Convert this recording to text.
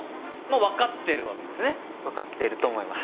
分かってると思います。